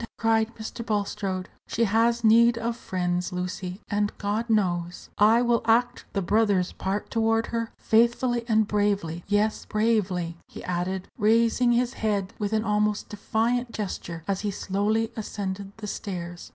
cried Mr. Bulstrode; "she has need of friends, Lucy; and, God knows, I will act the brother's part toward her, faithfully and bravely. Yes, bravely," he added, raising his head with an almost defiant gesture as he slowly ascended the stairs.